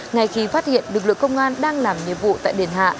ngay khi phát hiện lực lượng công an đang làm nhiệm vụ tại đền hạ